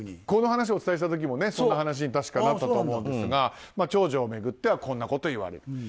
この話をお伝えした時もそんな話に確かなったと思うんですが長女を巡ってはこんなことを言われる。